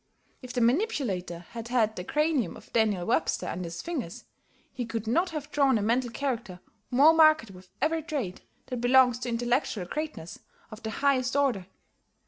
If the manipulator had had the cranium of Daniel Webster under his fingers, he could not have drawn a mental character more marked by every trait that belongs to intellectual greatness of the highest order.